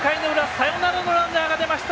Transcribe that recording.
サヨナラのランナーが出ました。